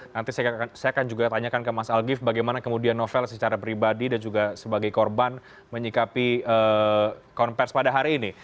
nanti saya akan juga tanyakan ke mas algif bagaimana kemudian novel secara pribadi dan juga sebagai korban menyikapi konversi pada hari ini